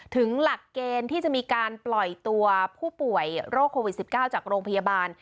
หลักเกณฑ์ที่จะมีการปล่อยตัวผู้ป่วยโรคโควิด๑๙จากโรงพยาบาล